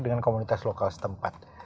dengan komunitas lokal setempat